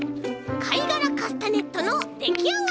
かいがらカスタネットのできあがり！